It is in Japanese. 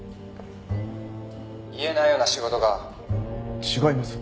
「言えないような仕事か」違います。